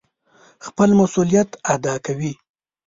خپل مسئوليت اداء کوي.